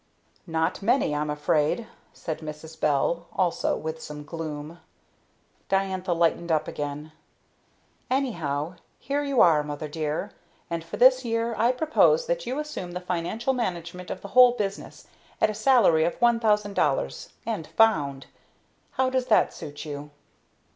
"Not many, I'm afraid," said Mrs. Bell, also with some gloom. Diantha lightened up again. "Anyhow, here you are, mother dear! And for this year I propose that you assume the financial management of the whole business at a salary of $1,000 'and found.' How does that suit you?"